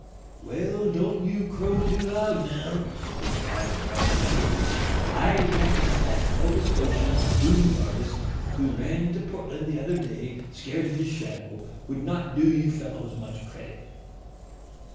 "Well, don't you crow too loud now," replied a Boston skipper. "I reckon that that Nova Scotian booze artist, who ran into Portland the other day scared of his shadow, would not do you fellows much credit."